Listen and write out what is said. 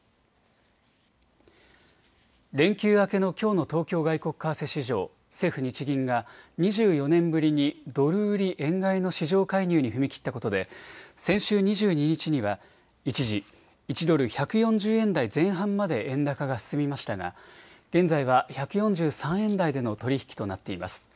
連休明けのきょうの東京外国為替市場、政府・日銀が２４年ぶりにドル売り円買いの市場介入に踏み切ったことで先週２２日には一時１ドル１４０円台前半まで円高が進みましたが現在は１４３円台での取り引きとなっています。